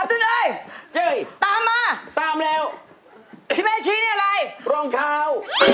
ตุ้นเอ้ยตามมาตามแล้วไอ้แม่ชี้นี่อะไรรองเท้า